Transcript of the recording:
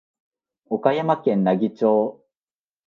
岡山県奈義町